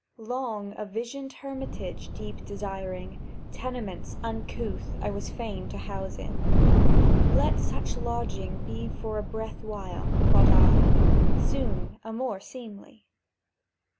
Long a visioned hermitage deep desiring, Tenements uncouth I was fain to house in; "Let such lodging be for a breath while," thought I, "Soon a more seemly.